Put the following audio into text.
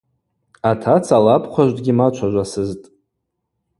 Атаца лабхъважв дгьимачважвасызтӏ.